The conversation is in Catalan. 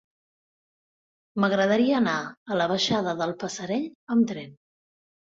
M'agradaria anar a la baixada del Passerell amb tren.